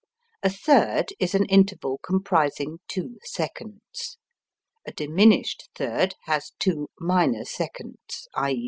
A third is an interval comprising two seconds. A diminished third has two minor seconds (_i.e.